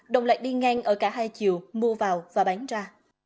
đồng lại đi ngang ở cả hai chiều mua vào và bán ra